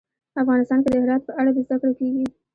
افغانستان کې د هرات په اړه زده کړه کېږي.